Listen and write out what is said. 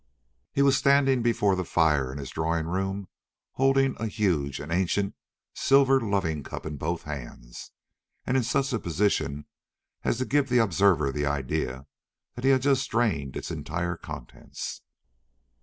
He was standing before the fire in his drawing room holding a huge and ancient silver loving cup in both hands, and in such a position as to give the observer the idea that he had just drained its entire contents.